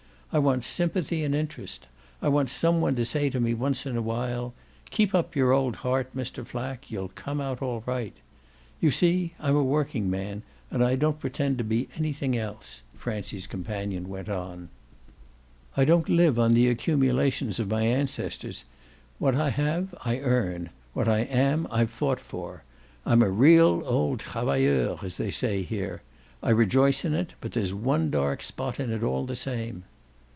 I want sympathy and interest; I want some one to say to me once in a while 'Keep up your old heart, Mr. Flack; you'll come out all right.' You see I'm a working man and I don't pretend to be anything else," Francie's companion went on. "I don't live on the accumulations of my ancestors. What I have I earn what I am I've fought for: I'm a real old travailleur, as they say here. I rejoice in it, but there's one dark spot in it all the same."